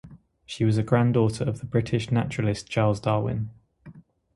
She was a granddaughter of the British naturalist Charles Darwin.